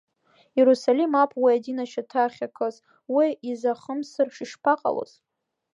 Иерусалим ауп уи адин ашьаҭа ахьакыз, уи изахымсыр ишԥаҟалоз?